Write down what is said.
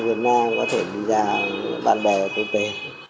để có thể đi ra bạn bè tôi về